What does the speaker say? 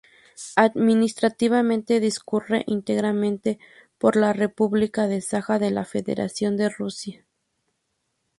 Administrativamente, discurre íntegramente por la la república de Saja de la Federación de Rusia.